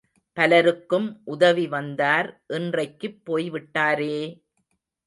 பலருக்கும் உதவி வந்தார் இன்றைக்குப் போய்விட்டாரே!